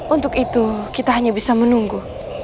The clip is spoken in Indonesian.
untuk itu kita hanya bisa menunggu